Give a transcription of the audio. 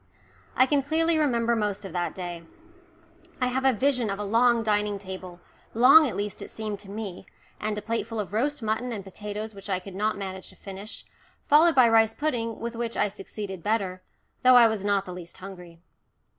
I can clearly remember most of that day. I have a vision of a long dining table, long at least it seemed to me, and a plateful of roast mutton and potatoes which I could not manage to finish, followed by rice pudding with which I succeeded better, though I was not the least hungry.